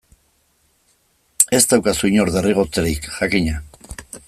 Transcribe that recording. Ez daukazu inor derrigortzerik, jakina.